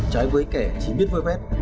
trái quấy kẻ chỉ biết vơi vét